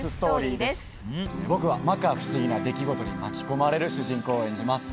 僕はまか不思議な出来事に巻き込まれる主人公を演じます。